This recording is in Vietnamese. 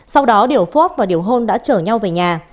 sau đó điều phóp và điều hôn đã trở nhau về nhà